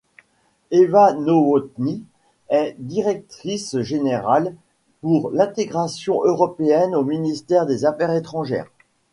Eva Nowotny est directrice générale pour l'intégration européenne au ministère des Affaires étrangères.